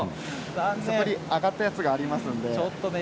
揚がったものがありますのでね。